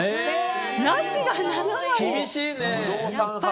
なしが７割。